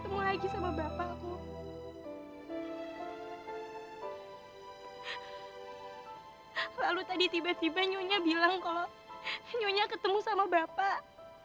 tiba tiba nyonya bilang kalau nyonya ketemu sama bapak